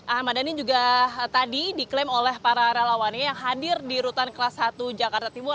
ahmad dhani juga tadi diklaim oleh para relawannya yang hadir di rutan kelas satu jakarta timur